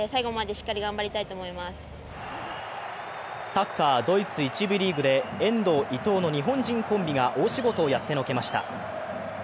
サッカー、ドイツ１部リーグで遠藤・伊藤の日本人コンビが大仕事をやってのけました。